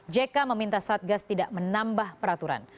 jk meminta satgas tidak menambah peraturan